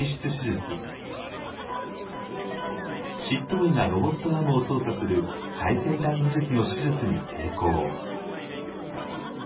執刀医がロボットアームを操作する最先端技術の手術に成功。